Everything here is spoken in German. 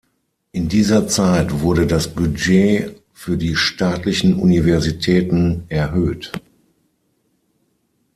In dieser Zeit wurde das Budget für die staatlichen Universitäten erhöht.